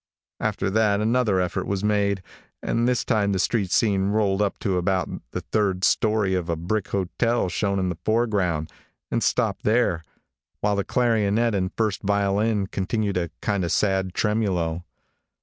After that another effort was made, and this time the street scene rolled up to about the third story of a brick hotel shown in the foreground, and stopped there, while the clarionet and first violin continued a kind of sad tremulo.